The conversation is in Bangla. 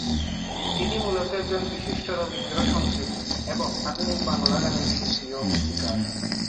তিনি মূলত একজন বিশিষ্ট রবীন্দ্র সঙ্গীত এবং আধুনিক বাঙলা গানের শিল্পী ও গীতিকার।